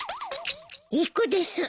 行くです。